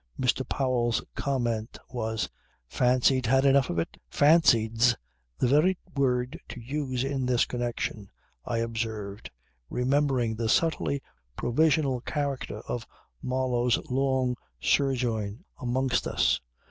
Mr. Powell's comment was: "Fancied had enough of it?" "Fancied's the very word to use in this connection," I observed, remembering the subtly provisional character of Marlow's long sojourn amongst us.